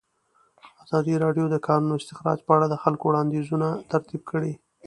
ازادي راډیو د د کانونو استخراج په اړه د خلکو وړاندیزونه ترتیب کړي.